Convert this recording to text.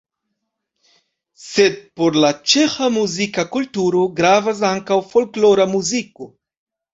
Sed por la ĉeĥa muzika kulturo gravas ankaŭ folklora muziko.